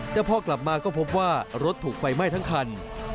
แต่พอกลับมาก็พบว่ารถถูกไฟไหม้ทั้งคัน